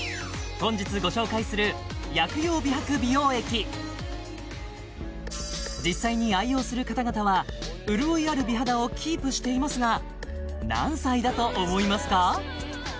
本日ご紹介する薬用美白美容液実際に愛用する方々は潤いある美肌をキープしていますが何歳だと思いますか？